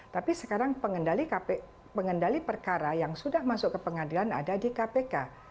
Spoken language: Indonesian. tapi sekarang pengendali perkara yang sudah masuk ke pengadilan ada di kpk